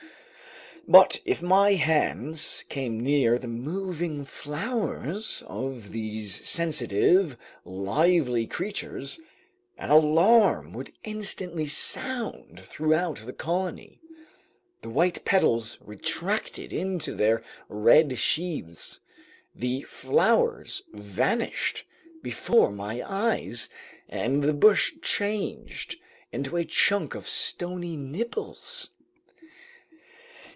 But if my hands came near the moving flowers of these sensitive, lively creatures, an alarm would instantly sound throughout the colony. The white petals retracted into their red sheaths, the flowers vanished before my eyes, and the bush changed into a chunk of stony nipples.